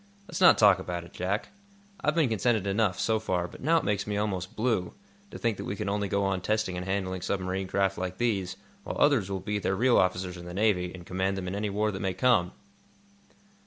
Let's not talk about it, Jack. I've been contented enough, so far, but now it makes me almost blue, to think that we can only go on testing and handling submarine craft like these, while others will be their real officers in the Navy, and command them in any war that may come."